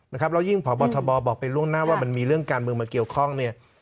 แล้วยิ่งพบทบบอกไปล่วงหน้าว่ามันมีเรื่องการเมืองมาเกี่ยวข้องเนี่ย